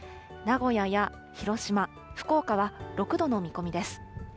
名古屋や広島、福岡は６度の見込みです。